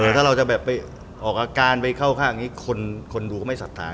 ถ้าเราจะออกอาการไปเข้าข้างคนรู้ก็ไม่สัตย์